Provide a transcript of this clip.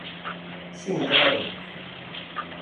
Sim, claro